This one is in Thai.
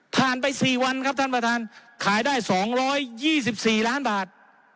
ไป๔วันครับท่านประธานขายได้๒๒๔ล้านบาท